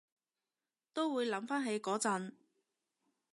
都會諗返起嗰陣